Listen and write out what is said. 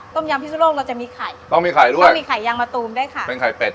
ยำพิสุโลกเราจะมีไข่ต้องมีไข่ด้วยต้องมีไข่ยางมะตูมด้วยค่ะเป็นไข่เป็ด